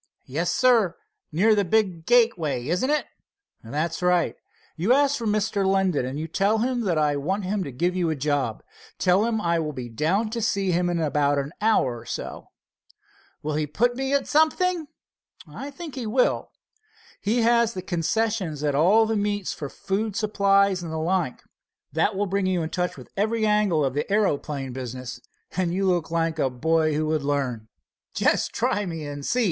"Yes, sir, near the big gateway, isn't it?" "That's right. You ask for Mr. Linden, and tell him I want him to give you a job. Tell him I will be down to see him about it in an hour or so." "Will he put me at something?" "I think he will. He has the concessions at all the meets for food supplies and the like. That will bring you in touch with every angle of the aeroplane business, and you look like a boy who would learn." "Just try me and see!"